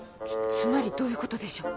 つつまりどういうことでしょう？